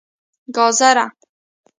🥕 ګازره